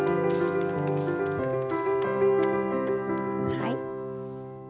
はい。